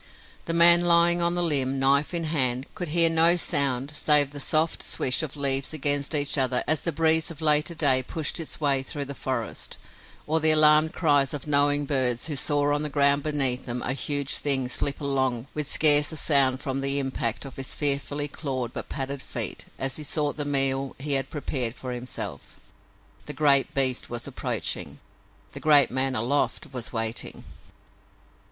The man lying along the limb, knife in hand, could hear no sound save the soft swish of leaves against each other as the breeze of later day pushed its way through the forest, or the alarmed cries of knowing birds who saw on the ground beneath them a huge thing slip along with scarce a sound from the impact of his fearfully clawed but padded feet as he sought the meal he had prepared for himself. The great beast was approaching. The great man aloft was waiting.